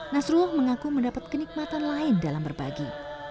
nasrul mengaku mendapat kenikmatan lain dalam berbagi